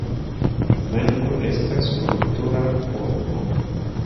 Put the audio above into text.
Kvenko estas kultura urbo.